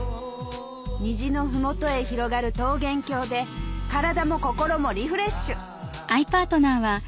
虹の麓へ広がる桃源郷で体も心もリフレッシュ！